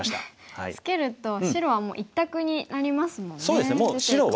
ツケると白はもう一択になりますもんね出ていく方向が。